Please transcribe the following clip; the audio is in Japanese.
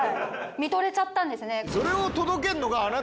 見とれちゃったんですね。